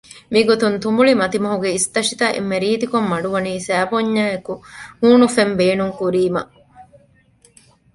މިގޮތުން ތުނބުޅި މަތިމަހުގެ އިސްތަށިތައް އެންމެ ރީތިކޮށް މަޑުވަނީ ސައިބޯންޏާއެކު ހޫނުފެން ބޭނުން ކުރީމަ